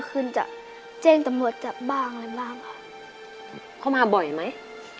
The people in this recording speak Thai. ขึ้นจะแจ้งตำรวจจับบ้างอะไรบ้างค่ะเข้ามาบ่อยไหม